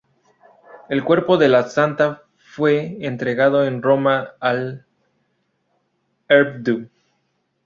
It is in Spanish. El Cuerpo de la Santa fue entregado en Roma al Rvdo.